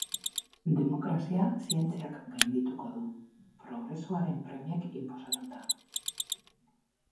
Demokrazia zientziak gaindituko du, progresoaren premiek inposatuta.